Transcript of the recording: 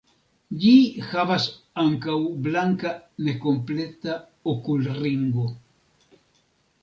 Ĝi havas ankaŭ blanka nekompleta okulringo.